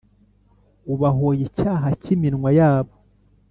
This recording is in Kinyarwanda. Ubahoye icyaha cy iminwa yabo